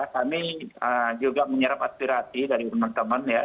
kami juga menyerap aspirasi dari teman teman ya